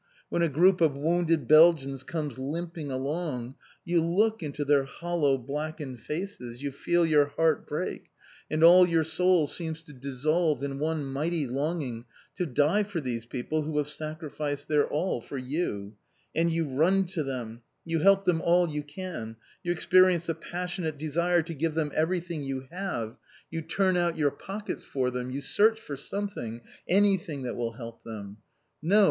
When a group of wounded Belgians comes limping along, you look into their hollow, blackened faces, you feel your heart break, and all your soul seems to dissolve in one mighty longing to die for these people who have sacrificed their all for you; and you run to them, you help them all you can, you experience a passionate desire to give them everything you have, you turn out your pockets for them, you search for something, anything, that will help them. No!